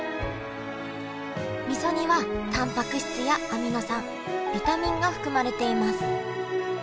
みそにはタンパク質やアミノ酸ビタミンが含まれています。